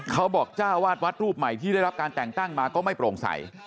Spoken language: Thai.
จ้าวาดวัดรูปใหม่ที่ได้รับการแต่งตั้งมาก็ไม่โปร่งใส